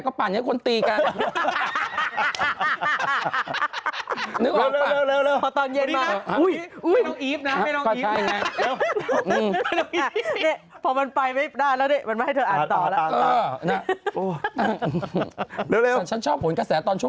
โธมินโธมินเค้าดีวิตามินนะกินดี